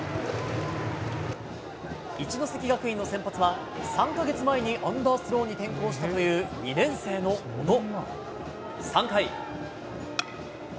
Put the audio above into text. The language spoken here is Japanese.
一関学院の先発は３か月前にアンダースローに転向したという２年生の小野。